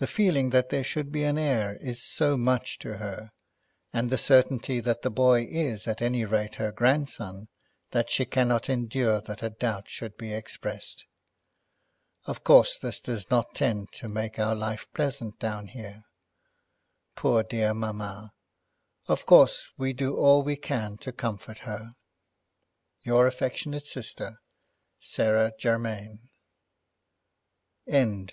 The feeling that there should be an heir is so much to her, and the certainty that the boy is at any rate her grandson, that she cannot endure that a doubt should be expressed. Of course this does not tend to make our life pleasant down here. Poor dear mamma! Of course we do all we can to comfort her. "Your affectionate sister, "SARAH GERMAIN." CHAPTER XXX.